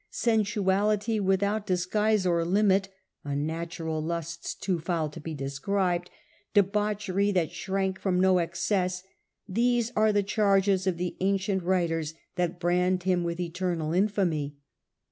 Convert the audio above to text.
Sensuality with debauches. out disguise or limit, unnatural lusts too foul to be described, debauchery that shrank from no excess, these are the charges of the ancient writers that brand him with eternal infamy.